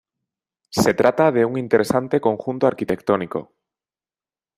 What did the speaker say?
Se trata de un interesante conjunto arquitectónico.